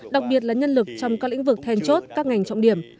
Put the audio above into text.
đặc biệt là nhân lực trong các lĩnh vực then chốt các ngành trọng điểm